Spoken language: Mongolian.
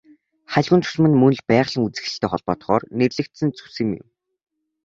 Халиун зүсэм нь мөн л байгалийн үзэгдэлтэй холбоотойгоор нэрлэгдсэн зүсэм юм.